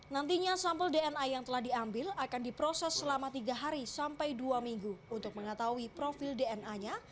nantinya sampel dna yang telah diambil akan diproses selama tiga hari sampai dua minggu untuk mengetahui profil dna nya